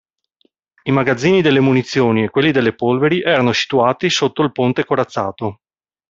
I magazzini delle munizioni e quelli delle polveri erano situati sotto il ponte corazzato.